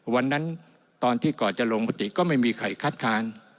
วันนั้นตอนที่ก่อนจะลงมติก็ไม่มีใครคัดค้าน